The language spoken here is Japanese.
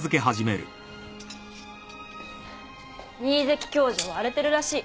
新関教場は荒れてるらしい。